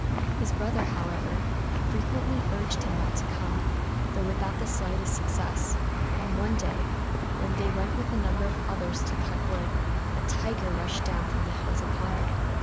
His brother, however, frequently urged him not to come, though without the slightest success; and one day, when they went with a number of others to cut wood, a tiger rushed down from the hills upon them.